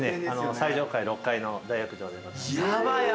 最上階６階の大浴場でございます。